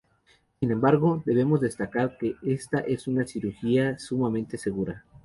Sin embargo, debemos destacar que esta es una cirugía sumamente segura.